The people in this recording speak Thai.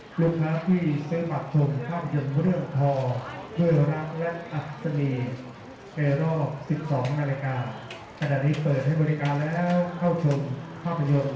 สวัสดีครับผมชื่อสามารถชานุบาลชื่อเล่นว่าขิงถ่ายหนังของโรงหนังสุ่นแห่ง